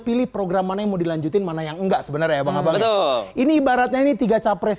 pilih program mana yang mau dilanjutin mana yang enggak sebenarnya bang abang ini ibaratnya ini tiga capres